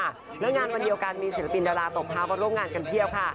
เรื่องงานวันเดียวกันมีศิลปินดาราตกพร้าวร่วมงานกันเทียบค่ะ